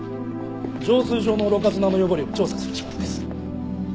浄水場のろ過砂の汚れを調査する仕事です。